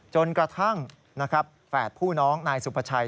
จนกระทั่งแฝดผู้น้องนายสุภาชัย